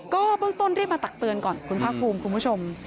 ก็เบื้องต้นรีบมาตักเตือนก่อนคุณภาคภูมิคุณผู้ชม